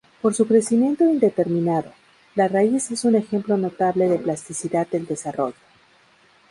Por su crecimiento indeterminado, la raíz es un ejemplo notable de plasticidad del desarrollo.